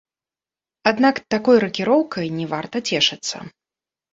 Аднак такой ракіроўкай не варта цешыцца.